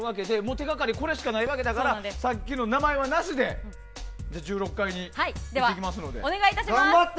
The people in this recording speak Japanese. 手掛かりはこれしかないわけでさっきの名前はなしで１６階に行ってきますので。